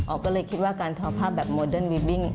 ก็เลยคิดว่าการทอภาพแบบโมเดิร์นวีบิ้ง